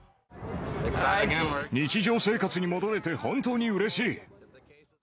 日常生活に戻れて、本当にうれしい。